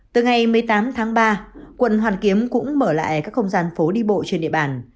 từ ngày một mươi tám tháng ba quận hoàn kiếm cũng mở lại các không gian phố đi bộ trên địa bàn